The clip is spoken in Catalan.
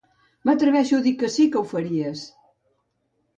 M'atreveixo a dir que sí que ho faries!